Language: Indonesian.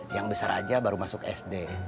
yang besar aja baru masuk sd